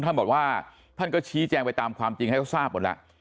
ท่านบอกว่าท่านก็ชี้แจงไปตามความจริงให้เขาทราบหมดแล้ว